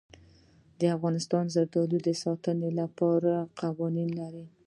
افغانستان د زردالو د ساتنې لپاره قوانین لري.